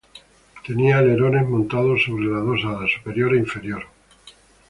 Tenía alerones montados sobre las dos alas, superior e inferior.